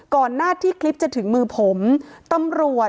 ก่อนหน้าที่คลิปจะถึงมือผม